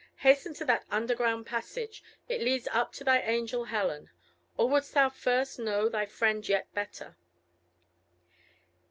Hasten to that underground passage, it leads up to thy angel Helen. Or wouldst thou first know thy friend yet better?"